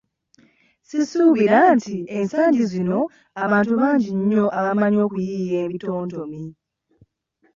Sisuubira nti ensangi zino abantu bangi nnyo abamanyi okuyiiya ebitontome.